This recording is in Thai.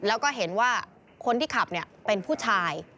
แล้วก็เห็นว่าคนที่ขับเป็นผู้ชาย